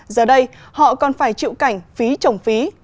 giờ đây họ còn phải chịu cảnh phí trồng phí